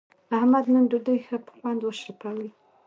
احمد نن ډوډۍ ښه په خوند و شړپوله.